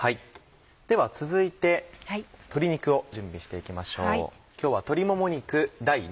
では続いて鶏肉を準備して行きましょう。